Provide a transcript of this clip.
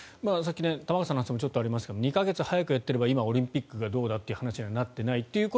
玉川さんの話にもちょっとありましたが２か月早くやっていればオリンピックどうなんだという話にはなっていない。